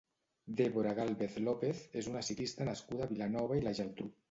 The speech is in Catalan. Débora Gálvez López és una ciclista nascuda a Vilanova i la Geltrú.